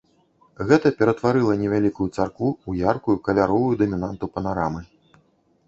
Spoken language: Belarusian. Гэта ператварыла невялікую царкву ў яркую каляровую дамінанту панарамы.